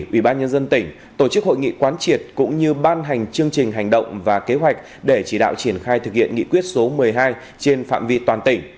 ủy ban nhân dân tỉnh tổ chức hội nghị quán triệt cũng như ban hành chương trình hành động và kế hoạch để chỉ đạo triển khai thực hiện nghị quyết số một mươi hai trên phạm vị toàn tỉnh